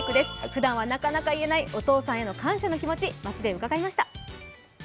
ふだんはなかなか言えないお父さんへの感謝の気持ち、街で伺いました。